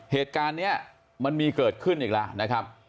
เหตุการณ์นี้มันมีเกิดขึ้นอีกแล้วนะครับ